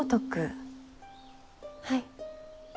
はい。